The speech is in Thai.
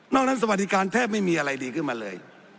นั้นสวัสดิการแทบไม่มีอะไรดีขึ้นมาเลย